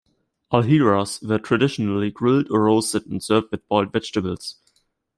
Alheiras were traditionally grilled or roasted and served with boiled vegetables.